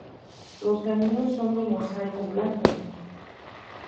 Los caminos son de mosaico blanco.